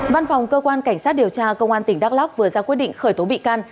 văn phòng cơ quan cảnh sát điều tra công an tỉnh đắk lóc vừa ra quyết định khởi tố bị can